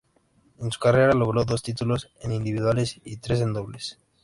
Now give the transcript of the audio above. En su carrera logró dos títulos en individuales y tres en dobles.